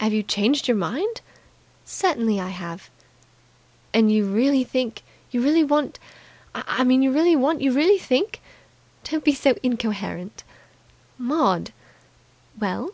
"Have you changed your mind?" "Certainly I have!" "And you really think You really want I mean, you really want You really think " "Don't be so incoherent!" "Maud!" "Well?"